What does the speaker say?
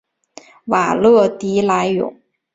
瓦勒迪莱永。